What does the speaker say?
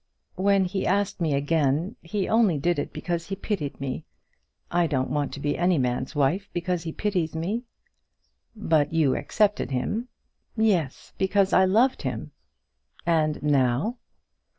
"When he asked me again, he only did it because he pitied me. I don't want to be any man's wife because he pities me." "But you accepted him." "Yes; because I loved him." "And now?"